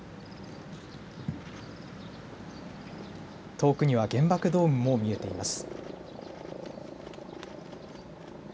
遠くには原爆ドームも見えています。